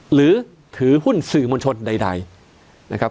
หรือถือหุ้นสื่อมวลชนใดนะครับ